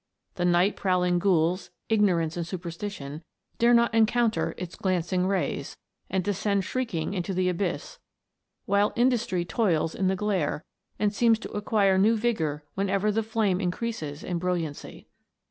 The night prowling ghouls, Igno rance and Superstition, dare not encounter its glancing rays, and descend shrieking into the abyss, while Industry toils in the glare, and seems to acquire new vigour whenever the flame increases in brilliancy.